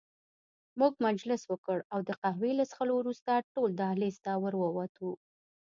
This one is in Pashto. موږ مجلس وکړ او د قهوې له څښلو وروسته ټول دهلېز ته ور ووتو.